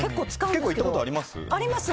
行ったことあります？